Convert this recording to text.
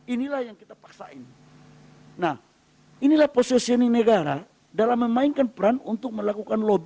inilah yang kita paksain nah inilah posisioning negara dalam memainkan peran untuk melakukan lobby